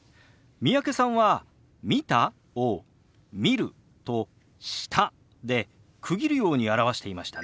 三宅さんは「見た？」を「見る」と「した」で区切るように表していましたね。